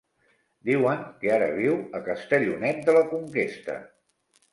Diuen que ara viu a Castellonet de la Conquesta.